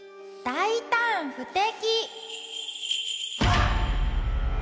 「大胆不敵」。